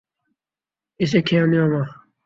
এসে খেয়ে নেও, মা।